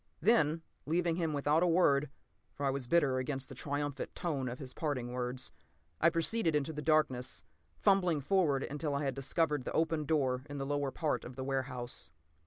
Then, leaving him without a word, for I was bitter against the triumphant tone of his parting words, I proceeded into the darkness, fumbling forward until I had discovered the open door in the lower part of the warehouse.